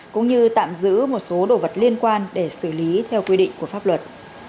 cũng như tạm giữ một số đồ vật liên quan để xử lý theo quy định của pháp luật